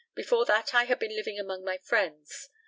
Before that I had been living among my friends.